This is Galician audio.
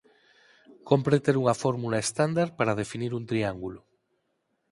Cómpre ter unha fórmula estándar para definir un triángulo.